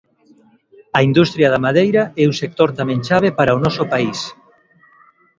A industria da madeira é un sector tamén chave para o noso país.